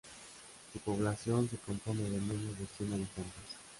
Su población se compone de menos de cien habitantes.